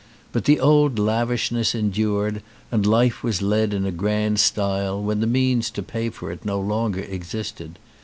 But the old lavishness endured and life was led in a grand style when the means to pay for it no longer existed.